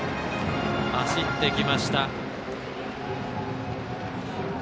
走ってきました。